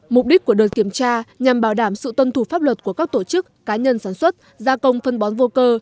mục đích của đợt kiểm tra nhằm bảo đảm sự tuân thủ pháp luật của các tổ chức cá nhân sản xuất gia công phân bón vô cơ